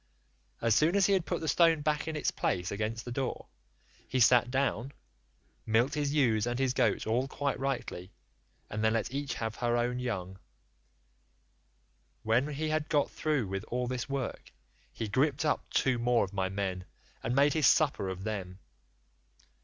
As soon as he had put the stone back to its place against the door, he sat down, milked his ewes and his goats all quite rightly, and then let each have her own young one; when he had got through with all this work, he gripped up two more of my men, and made his supper off them.